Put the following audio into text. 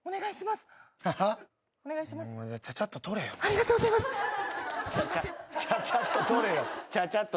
すいません。